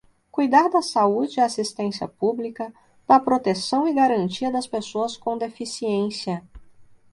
cuidar da saúde e assistência pública, da proteção e garantia das pessoas com deficiência